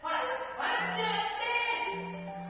笑って笑って！